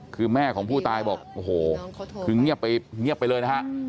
คือแม่ของผู้ตายบอกโอ้โหคือเงียบไปเงียบไปเลยนะฮะ